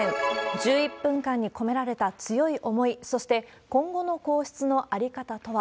１１分間に込められた強い思い、そして今後の皇室の在り方とは。